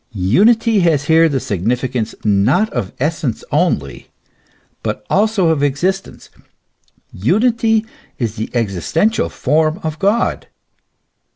Unity has here the significance not of essence only, but also of existence ; unity is the existential form of God.